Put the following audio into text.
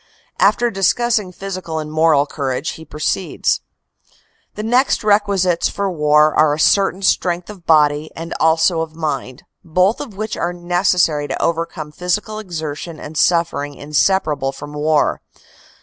After discussing physical and moral courage, he proceeds : "The next requisites for war are a certain strength of body and also of mind, both of which are necessary to overcome the physical exertion and suffering inseparable from war.